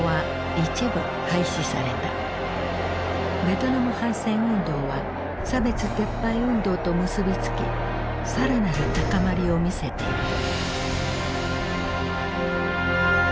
ベトナム反戦運動は差別撤廃運動と結び付き更なる高まりを見せていく。